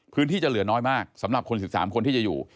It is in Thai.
จะเหลือน้อยมากสำหรับคน๑๓คนที่จะอยู่